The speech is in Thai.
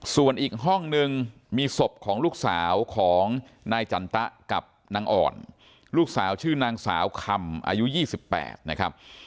ส่วนอีกห้องนึงมีศพของลูกสาวของนายจันตะกับนางอ่อนลูกสาวชื่อนางสาวคำอายุ๒๘นะครับ